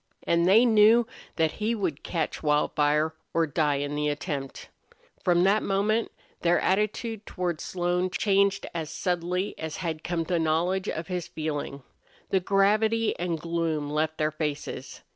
And they knew that he would catch Wildfire or die in the attempt. From that moment their attitude toward Slone changed as subtly as had come the knowledge of his feeling. The gravity and gloom left their faces.